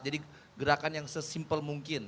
jadi gerakan yang sesimple mungkin